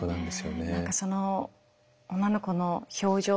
その女の子の表情